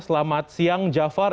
selamat siang jafar